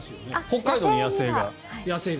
北海道に野生が。